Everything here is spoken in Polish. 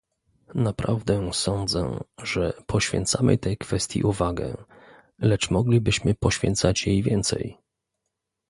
Naprawdę sądzę, że poświęcamy tej kwestii uwagę, lecz moglibyśmy poświęcać jej więcej